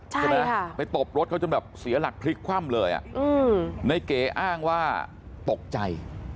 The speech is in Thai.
ใช่ไหมไปตบรถเขาจนแบบเสียหลักพลิกคว่ำเลยในเก๋อ้างว่าตกใจ